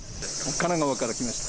神奈川から来ました。